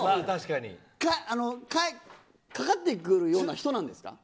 かかってくるような人なんですか。